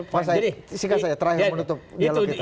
mas aik singkat saja terakhir menutup dialog kita